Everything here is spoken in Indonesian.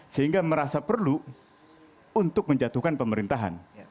sehingga merasa perlu untuk menjatuhkan pemerintahan